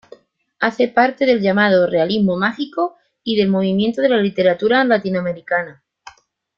Hace parte del llamado realismo mágico y del movimiento de la literatura latinoamericana.